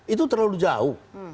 itu terlalu jauh